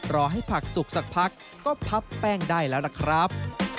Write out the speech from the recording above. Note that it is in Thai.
รอให้ผักสุกสักพักก็พับแป้งได้แล้วล่ะครับ